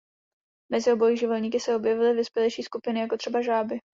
Mezi obojživelníky se objevily vyspělejší skupiny jako třeba žáby.